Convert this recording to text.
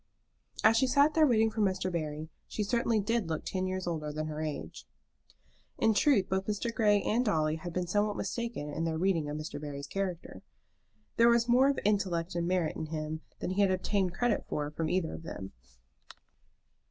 As she sat there waiting for Mr. Barry, she certainly did look ten years older than her age. In truth both Mr. Grey and Dolly had been somewhat mistaken in their reading of Mr. Barry's character. There was more of intellect and merit in him than he had obtained credit for from either of them.